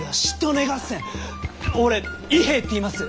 俺伊兵衛っていいます！